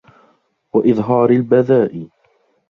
وَإِظْهَارِ الْبَذَاءِ